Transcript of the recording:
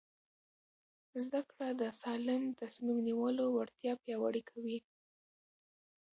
زده کړه د سالم تصمیم نیولو وړتیا پیاوړې کوي.